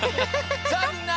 さあみんな！